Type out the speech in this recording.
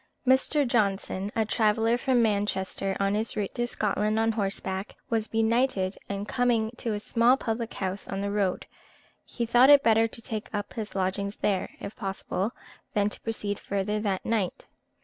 Mr. Johnson, a traveller from Manchester, on his route through Scotland on horseback, was benighted, and coming to a small public house on the road, he thought it better to take up his lodgings there, if possible, than to proceed further that night.